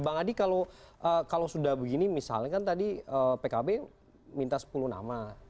bang adi kalau sudah begini misalnya kan tadi pkb minta sepuluh nama